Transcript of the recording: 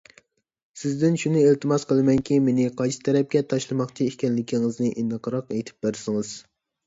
سىزدىن شۇنى ئىلتىماس قىلىمەنكى، مېنى قايسى تەرەپكە تاشلىماقچى ئىكەنلىكىڭىزنى ئېنىقراق ئېيتىپ بەرسىڭىز.